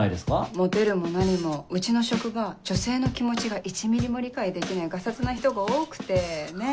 モテるも何もうちの職場女性の気持ちが１ミリも理解できないガサツな人が多くてねっ。